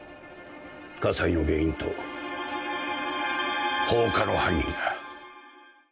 火災の原因と放火の犯人が。